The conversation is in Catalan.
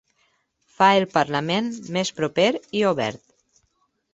Fa el parlament més proper i obert.